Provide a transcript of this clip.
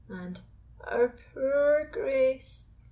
and "Our poor Grace!"